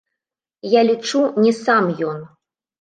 Я лічу, не сам ён.